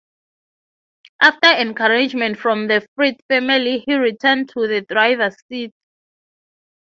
After encouragement from the Freeth family he returned to the driver's seat.